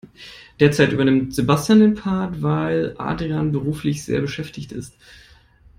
Derzeit übernimmt Sebastian den Part, weil Adrian beruflich sehr beschäftigt ist.